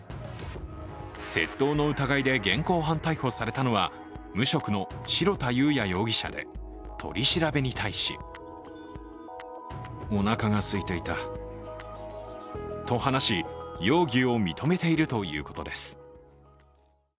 窃盗の疑いで現行犯逮捕されたのは無職の白田佑哉容疑者で取り調べに対しと話し、容疑を認めているということです。